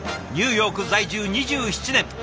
ニューヨーク在住２７年。